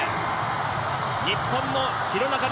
日本の廣中璃